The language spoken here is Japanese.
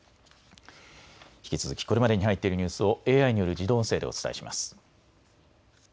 引き続きこれまでに入っているニュースをＡＩによる自動音声でお伝えします。